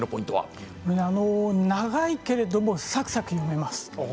長いけれどもサクサク読めます。